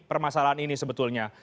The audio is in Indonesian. permasalahan ini sebetulnya